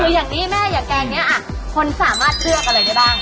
คืออย่างนี้แม่อย่างแกงนี้คนสามารถเลือกอะไรได้บ้าง